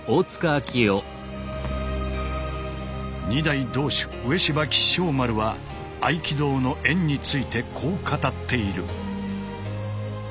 二代道主植芝吉祥丸は合気道の「円」についてこう語っている。